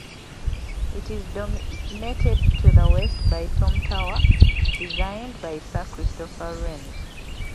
It is dominated to the west by Tom Tower, designed by Sir Christopher Wren.